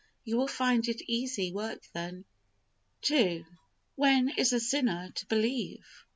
You will find it easy work, then. II. When is a sinner to believe?